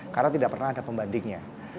karena tidak pernah ada pembandingnya